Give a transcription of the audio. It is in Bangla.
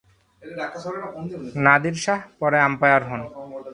নাদির শাহ পরে আম্পায়ার হন।